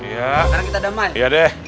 sekarang kita damai